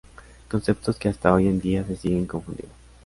Conceptos que hasta hoy en día se siguen confundiendo.